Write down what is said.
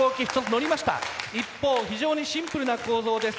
一方非常にシンプルな構造です